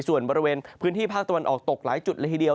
ส่วนบริเวณพื้นที่ภาคตะวันออกตกหลายจุดเลยทีเดียว